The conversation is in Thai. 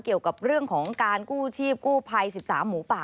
เกี่ยวกับเรื่องของการกู้ชีพกู้ภัย๑๓หมูป่า